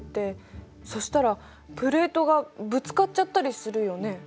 そしたらプレートがぶつかっちゃったりするよね。